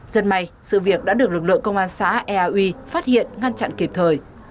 dần may sự việc đã được lực lượng công an xã eau phát hiện ngăn chặn kịp thời